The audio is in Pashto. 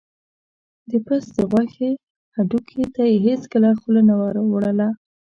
د پس د غوښې هډوکي ته یې هېڅکله خوله نه وروړله.